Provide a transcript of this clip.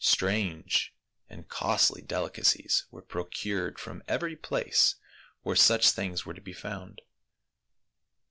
Strange and costly delicacies were procured from every place where such things were to be found.